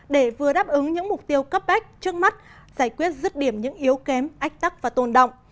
để vừa đáp ứng những mục tiêu cấp bách trước mắt giải quyết rứt điểm những yếu kém ách tắc và tôn động